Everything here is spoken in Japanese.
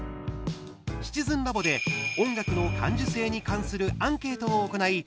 「シチズンラボ」で音楽の感受性に関するアンケートを行い